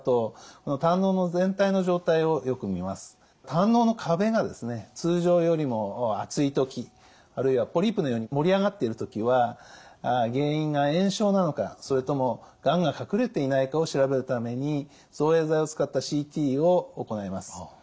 胆のうの壁が通常よりも厚い時あるいはポリープのように盛り上がっている時は原因が炎症なのかそれともがんが隠れていないかを調べるために造影剤を使ったＣＴを行います。